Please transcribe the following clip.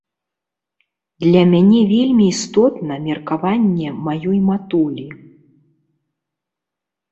Для мяне вельмі істотна меркаванне маёй матулі.